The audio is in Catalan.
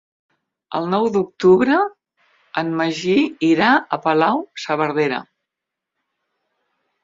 El nou d'octubre en Magí irà a Palau-saverdera.